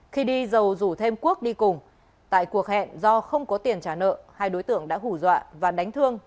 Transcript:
khi đi dầu rủ thêm quốc đi cùng tại cuộc hẹn do không có tiền trả nợ hai đối tượng đã hủ dọa và đánh thương